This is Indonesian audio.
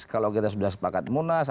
kalau kita sudah sepakat munas